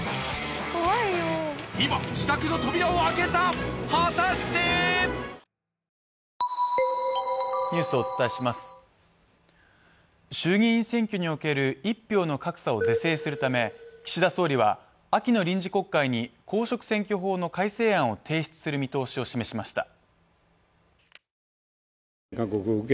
今自宅の扉を開けた衆議院選挙における一票の格差を是正するため岸田総理は秋の臨時国会に公職選挙法の改正案を提出する見通しを示しました。